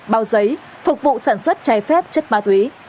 bao giấy phục vụ sản xuất trái phép chất ma túy